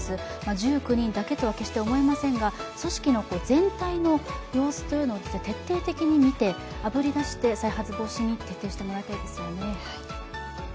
１９人だけとは決して思いませんが組織の全体の様子というのを徹底的に見て、あぶり出して再発防止に徹底してもらいたいですよね。